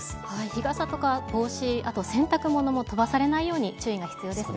日傘とか帽子、あと洗濯物も飛ばされないように注意が必要ですね。